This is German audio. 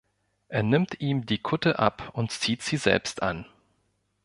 Er nimmt ihm die Kutte ab und zieht sie selbst an.